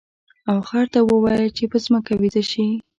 او خر ته ووایه چې په ځمکه ویده شي.